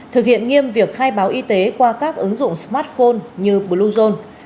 thực hiện nghiêm việc khai báo y tế qua các ứng dụng smartphone như bluezone